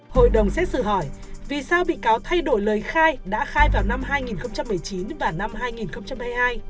hội đồng xét xử hỏi vì sao bị cáo thay đổi lời khai đã khai vào năm hai nghìn một mươi chín và năm hai nghìn hai mươi hai